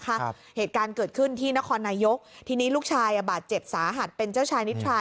เหตุการณ์เกิดขึ้นที่นครนายกทีนี้ลูกชายอ่ะบาดเจ็บสาหัสเป็นเจ้าชายนิทรา